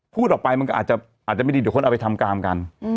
พูดออกไปมันก็อาจจะไม่ดีเดี๋ยวคนเอาไปทำกามกัน